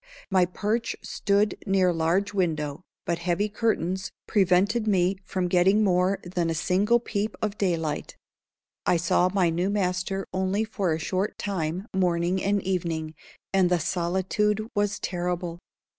My perch stood near a large window, but heavy curtains prevented me from getting more than a single peep of daylight. I saw my new master only for a short time morning and evening, and the solitude was terrible.